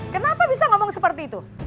kenapa bisa ngomong seperti itu